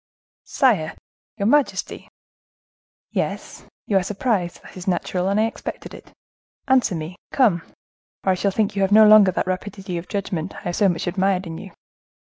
"Sire, your majesty—" "Yes, you are surprised; that is natural, and I expected it. Answer me, come! or I shall think you have no longer that rapidity of judgment I have so much admired in you."